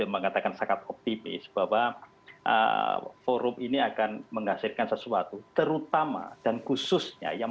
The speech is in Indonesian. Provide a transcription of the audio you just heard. mengatakan sangat optimis bahwa forum ini akan menghasilkan sesuatu terutama dan khususnya yang